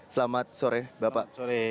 selamat sore bapak